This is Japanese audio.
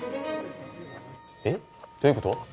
え、どういうこと？